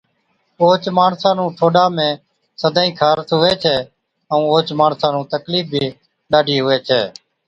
اوهچ ماڻسان نُون ٺوڏا سدائِين خارس هُوَي ڇَي ائُون اوهچ ماڻسا نُون تڪلِيف بِي ڏاڍِي هُوَي ڇَي،